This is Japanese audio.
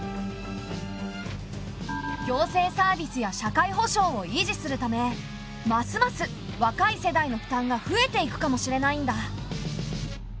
行政サービスや社会保障を維持するためますます若い世代の負担が増えていくかもしれないんだ。